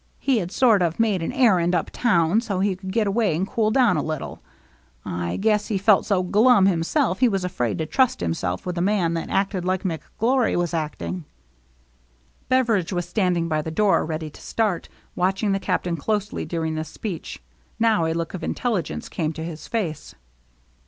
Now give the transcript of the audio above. He had sort of made an errand up town so he could get away and cool down a little. I guess he felt so glum himself he was afraid to trust himself with a man that acted like McGlory was acting." Beveridge was standing by the door, ready to start, watching the Captain closely during this speech. Now a look of intelligence came to his face.